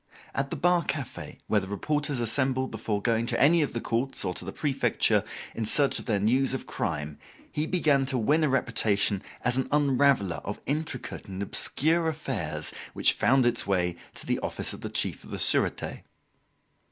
At the Bar cafe, where the reporters assembled before going to any of the courts, or to the Prefecture, in search of their news of crime, he began to win a reputation as an unraveller of intricate and obscure affairs which found its way to the office of the Chief of the Surete.